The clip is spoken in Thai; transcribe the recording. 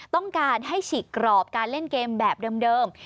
ต้องการให้ฉีกกรอบการเล่นเกมแบบเดิม